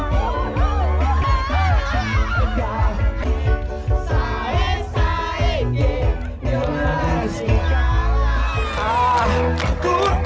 deket deket aja lihat dong